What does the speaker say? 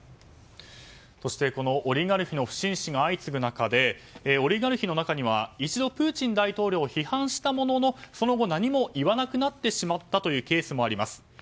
そしてオリガルヒの不審死が相次ぐ中でオリガルヒの中には一度プーチン大統領を批判したものの、その後、何も言わなくなってしまったというケースもあります。